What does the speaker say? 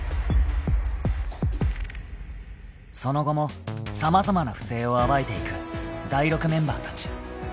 ［その後も様々な不正を暴いていくダイロクメンバーたち］